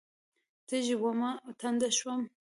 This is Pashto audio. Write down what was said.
تږې ومه، تنده شوم